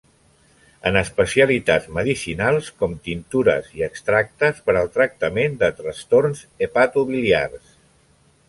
En especialitats medicinals com tintures i extractes, per al tractament de trastorns hepatobiliars.